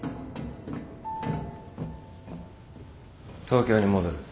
東京に戻る。